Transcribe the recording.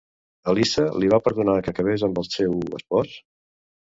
Elissa li va perdonar que acabés amb el seu espòs?